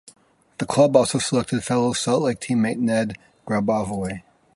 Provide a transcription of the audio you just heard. The club also selected fellow Salt Lake teammate Ned Grabavoy.